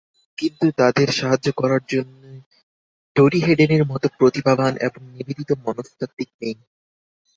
কিন্তু তাদের সাহায্য করার জন্যে টোরি হেডেনের মতো প্রতিভাবান এবং নিবেদিত মনস্তাত্ত্বিক নেই।